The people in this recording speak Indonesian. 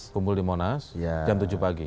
kumpul di monas jam tujuh pagi